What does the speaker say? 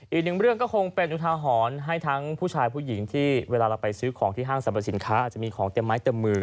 อีกหนึ่งเรื่องก็คงเป็นอุทาหรณ์ให้ทั้งผู้ชายผู้หญิงที่เวลาเราไปซื้อของที่ห้างสรรพสินค้าอาจจะมีของเต็มไม้เต็มมือ